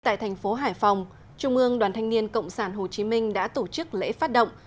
tại thành phố hải phòng trung ương đoàn thanh niên cộng sản hồ chí minh đã tổ chức lễ phát động